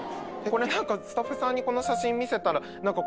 スタッフさんにこの写真見せたらこれ。